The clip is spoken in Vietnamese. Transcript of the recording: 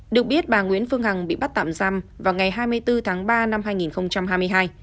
được biết bà nguyễn phương hằng bị bắt tạm giam vào ngày hai mươi bốn tháng ba năm hai nghìn hai mươi hai